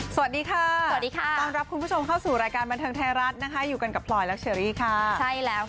สวัสดีค่ะ